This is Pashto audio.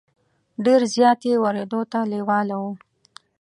ډېر زیات یې ورېدو ته لېواله وو.